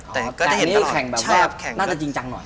แต่แค่นี้แข่งน่าจะจริงจังหน่อย